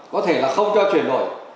có thể là không cho chuyển đổi